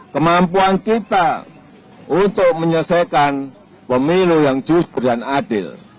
kemampuan kita untuk menyelesaikan pemilu yang jujur dan adil